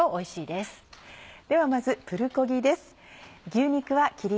ではまずプルコギです。